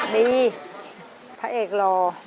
ดีพระเอกหล่อ